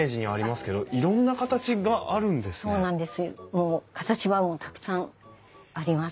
もう形はたくさんあります。